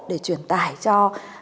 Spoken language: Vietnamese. để truyền tải cho